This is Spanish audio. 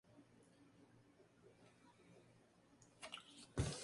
Butler se negó a comprar la canción "Mr.